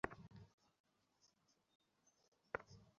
পতিতালয় পাশে থাকায় স্কুলের বাচ্চাদের উপরে খারাপ প্রভাব পড়ে?